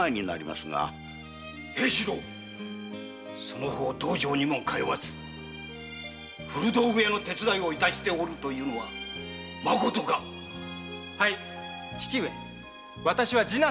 その方道場にも通わず古道具屋の手伝いを致しておるというのはまことかはい父上。